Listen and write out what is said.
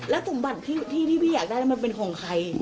แล้วสมบัติที่พี่อยากได้มันเป็นของใคร